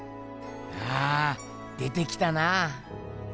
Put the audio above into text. ああ出てきたなぁ。